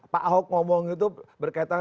pak ahok ngomong itu berkaitan